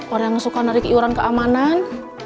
orang yang suka narik iuran keamanan